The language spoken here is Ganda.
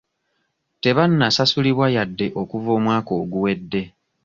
Tebannasasulibwa yadde okuva omwaka oguwedde.